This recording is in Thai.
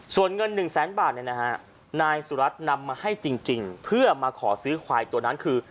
ส่วนเงิน๑แสนบาทนายสุรัตน์นำมาให้จริงเพื่อมาขอซื้อควายตัวนั้นคือ